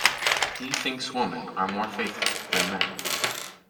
He thinks women are more faithful than men.